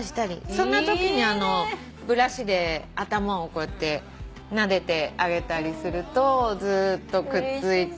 そんなときにブラシで頭をこうやってなでてあげたりするとずっとくっついて。